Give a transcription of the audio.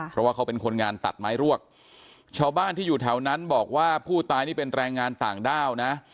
เพราะว่าเขาเป็นคนงานตัดไม้รวกชาวบ้านที่อยู่แถวนั้นบอกว่าผู้ตายนี่เป็นแรงงานต่างด้าวนะ